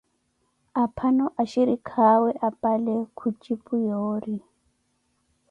Aphano axhirikha awe apale khuncipu yoori.